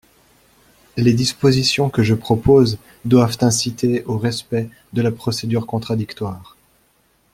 Les dispositions que je propose doivent inciter au respect de la procédure contradictoire.